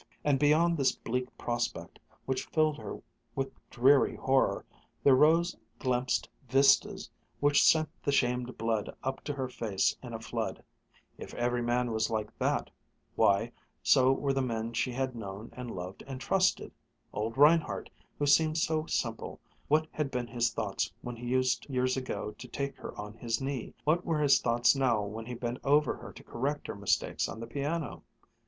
And beyond this bleak prospect, which filled her with dreary horror, there rose glimpsed vistas which sent the shamed blood up to her face in a flood if every man was like that, why, so were the men she had known and loved and trusted; old Reinhardt, who seemed so simple, what had been his thoughts when he used years ago to take her on his knee what were his thoughts now when he bent over her to correct her mistakes on the piano?